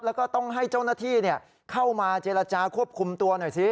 แล้วก็ต้องให้เจ้าหน้าที่เข้ามาเจรจาควบคุมตัวหน่อยสิ